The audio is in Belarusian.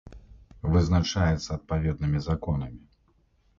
Вызначаецца адпаведнымі законамі.